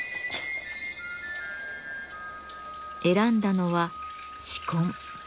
選んだのは紫根。